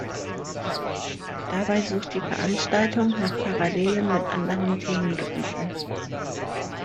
Dabei sucht die Veranstaltung nach Parallelen mit anderen Themengebieten.